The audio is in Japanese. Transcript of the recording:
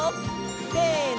せの！